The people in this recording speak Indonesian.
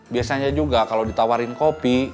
biasanya juga kalau ditawarin kopi